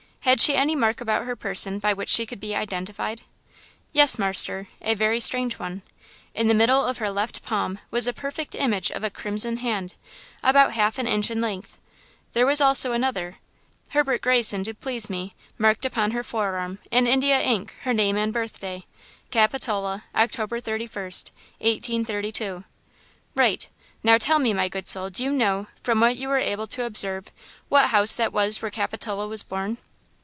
Had she any mark about her person by which she could be identified?" "Yes, marster, a very strange one. In the middle of her left palm was the perfect image of a crimson hand, about half an inch in length. There was also another. Henry Greyson, to please me, marked upon her forearm, in India ink, her name and birthday–'Capitola, Oct. 31st. 1832." "Right! Now tell me, my good soul, do you know, from what you were able to observe, what house that was where Capitola was born?"